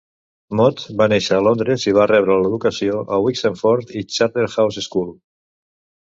Maude va néixer a Londres i va rebre l'educació a Wixenford i Charterhouse School.